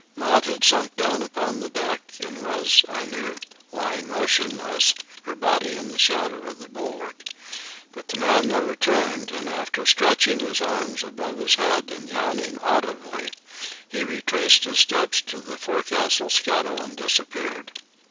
Maud had sunk down upon the deck and was, I knew, lying motionless, her body in the shadow of the bulwark. But the man never turned, and, after stretching his arms above his head and yawning audibly, he retraced his steps to the forecastle scuttle and disappeared.